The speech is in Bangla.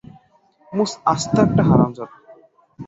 মুস আস্ত একটা হারামজাদা।